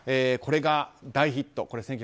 これが大ヒット。